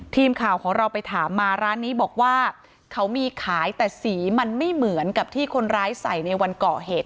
ทีมข่าวของเราไปถามมาร้านนี้บอกว่าเขามีขายแต่สีมันไม่เหมือนกับที่คนร้ายใส่ในวันก่อเหตุ